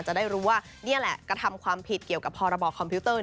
จะได้รู้ว่านี่แหละกระทำความผิดเกี่ยวกับพรบคอมพิวเตอร์